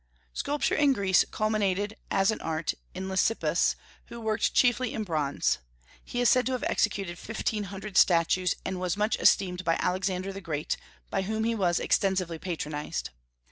Sculpture in Greece culminated, as an art, in Lysippus, who worked chiefly in bronze. He is said to have executed fifteen hundred statues, and was much esteemed by Alexander the Great, by whom he was extensively patronized.